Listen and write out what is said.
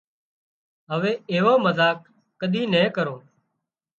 هوي ايوو مزاق ڪۮي نين ڪرون